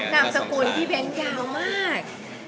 ดามสกุลที่เบนกจะยาวมาก